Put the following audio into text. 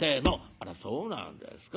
「あらそうなんですか。